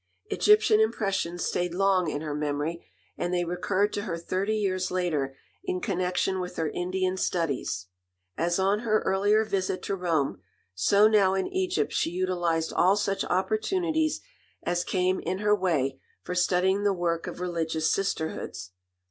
Egyptian impressions stayed long in her memory, and they recurred to her thirty years later in connection with her Indian studies. As on her earlier visit to Rome, so now in Egypt she utilized all such opportunities as came in her way for studying the work of religious Sisterhoods.